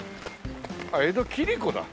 あっ「江戸切子」だ。